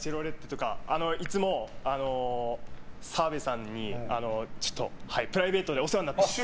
いつも澤部さんにプライベートでお世話になってます。